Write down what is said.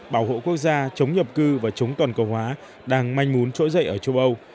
bảo hộ quốc gia chống nhập cư và chống toàn cầu hóa đang manh mún trỗi dậy ở châu âu